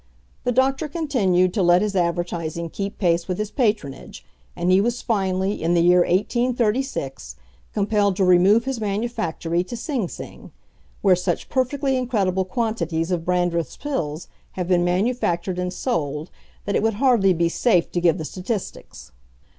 The doctor continued to let his advertising keep pace with his patronage; and he was finally, in the year 1836, compelled to remove his manufactory to Sing Sing, where such perfectly incredible quantities of Brandreth's Pills have been manufactured and sold that it would hardly be safe to give the statistics.